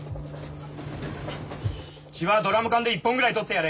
血はドラム缶で１本ぐらい採ってやれ。